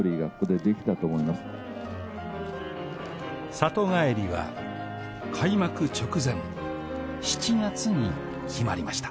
里帰りは開幕直前７月に決まりました